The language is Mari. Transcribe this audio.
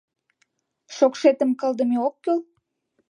Шокшетым кылдыме ок кӱл?